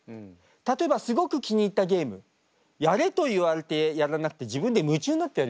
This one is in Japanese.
例えばすごく気に入ったゲームやれと言われてやらなくて自分で夢中になってやるよね？